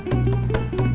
jadi eduardo bagaimana